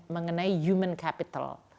mengenai human capital